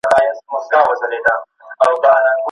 نن چي محتسب پر ګودرونو لنډۍ وچي کړې